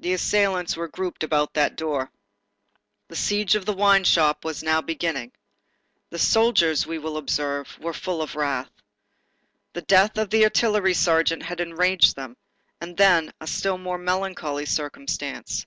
The assailants were grouped about that door. The siege of the wine shop was now beginning. The soldiers, we will observe, were full of wrath. The death of the artillery sergeant had enraged them, and then, a still more melancholy circumstance.